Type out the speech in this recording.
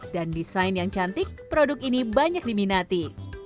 dan desain yang cantik produk ini banyak diminati